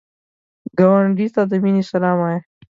ګاونډي ته د مینې سلام وایه